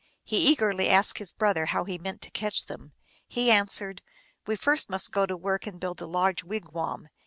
He eagerly asked his brother how he meant to catch them. He answered, " We must first go to work and build a large wigwam.